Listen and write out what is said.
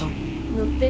乗って。